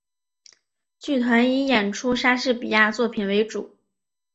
剧团以演出莎士比亚作品为主。